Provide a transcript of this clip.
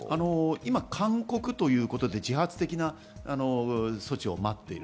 今、勧告ということで、自発的な措置を待っている。